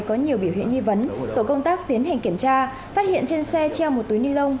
có nhiều biểu hiện nghi vấn tổ công tác tiến hành kiểm tra phát hiện trên xe treo một túi ni lông